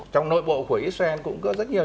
trong nội bộ của israel cũng có rất nhiều